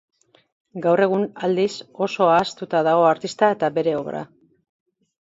Gaur egun, aldiz, oso ahaztuta dago artista eta bere obra.